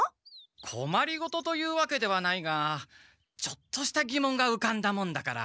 こまりごとというわけではないがちょっとしたぎもんがうかんだもんだから。